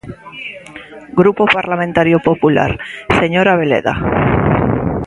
Grupo Parlamentario Popular, señor Abeleda.